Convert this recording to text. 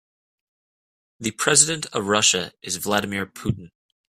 The president of Russia is Vladimir Putin.